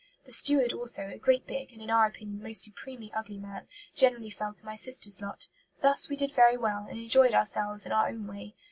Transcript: The steward also, a great, big, and in our opinion most supremely ugly man, generally fell to my sister's lot. Thus, we did very well, and enjoyed ourselves in our own way.